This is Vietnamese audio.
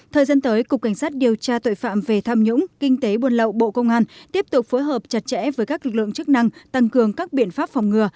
thời gian tới cục cảnh sát điều tra tội phạm về tham nhũng kinh tế buôn lậu bộ công an tiếp tục phối hợp chặt chẽ với các lực lượng chức năng tăng cường các biện pháp phòng ngừa